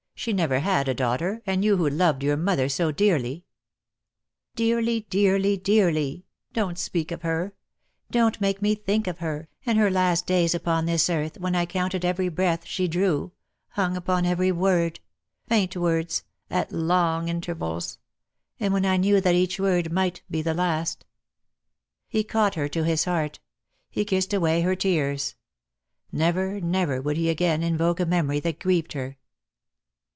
She never had a daughter, and you who loved your mother so dearly " "Dearly, dearly, dearly. Don't speak of her. Don't make me think of her, and her last days upon this earth, when I counted every breath she drew, hung upon every word — faint words — at long intervals — and when I knew that each word might be the last." He caught her to his heart. He kissed away her tears. Never, never would he again invoke a memory that grieved her.